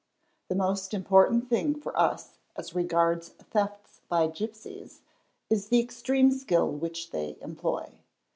The most important thing for us as regards thefts by gipsies, is the extreme skill which they employ.